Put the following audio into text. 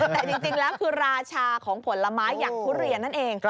แต่จริงแล้วคือราชาของผลไม้อย่างทุเรียนนั่นเอง